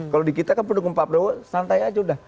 kalau di kita kan pendukung pak prabowo santai aja udah